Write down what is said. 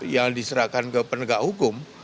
yang diserahkan ke penegak hukum